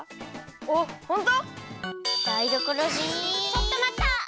ちょっとまった！